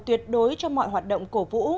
tuyệt đối cho mọi hoạt động cổ vũ